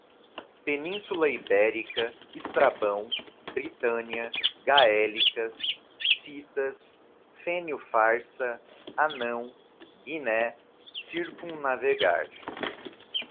Península Ibérica, Estrabão, Britânia, gaélicas, citas, Fênio Farsa, Hanão, Guiné, circum-navegar